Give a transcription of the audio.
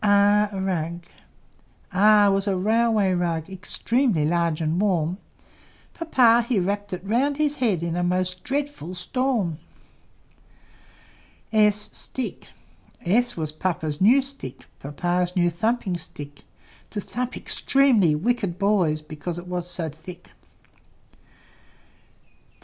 R R was a Railway Rug Extremely large and warm; Papa he wrapped it round his head, In a most dreadful storm. S S was Papa's new Stick, Papa's new thumping Stick, To thump extremely wicked boys, Because it was so thick.